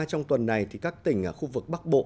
trong tuần này các tỉnh khu vực bắc bộ